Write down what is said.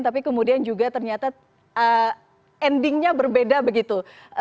tapi kemudian juga ternyata endingnya berbeda begitu